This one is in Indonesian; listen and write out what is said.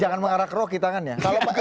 jangan mengarah ke rocky tangannya